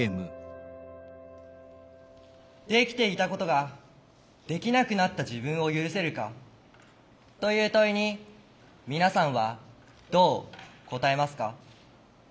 「できていたことができなくなった自分を許せるか？」という問いに皆さんはどう答えますか？